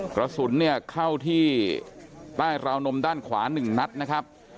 กระสุนเนี่ยเข้าที่ใต้ราวนมด้านขวา๑นัดนะครับ